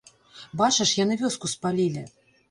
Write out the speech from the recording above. Бачыш, яны вёску спалілі.